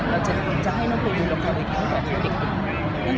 เราจะควรจะให้น้องคุณดูละครเวทีตั้งแต่พี่เด็กหนึ่ง